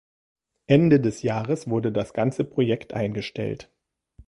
Ende des Jahres wurde das ganze Projekt eingestellt.